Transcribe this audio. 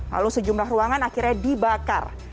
lalu sejumlah ruangan akhirnya dibakar